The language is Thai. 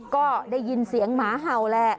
ก็ได้ยินเสียงหมาเห่าแหละ